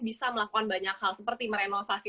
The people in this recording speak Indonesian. bisa melakukan banyak hal seperti merenovasi